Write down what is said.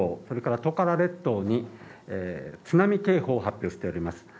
それからトカラ列島に津波警報を発表しております。